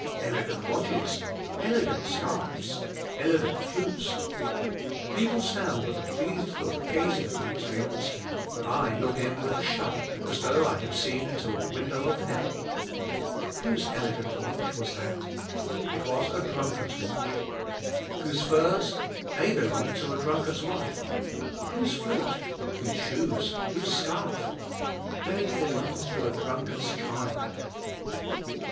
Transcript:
Elegant watches. Elegant scarfs. Elegant flutes. People stand with a pleased look gazing at these things; but I look in with a shudder, as though I had seen into a window of hell. Whose elegant watch was that? It was a drunkard's watch! Whose furs? They belonged to a drunkard's wife! Whose flute? Whose shoes? Whose scarf? They belonged to a drunkard's child!